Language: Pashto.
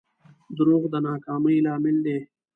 دروغ د ناکامۍ لامل دي.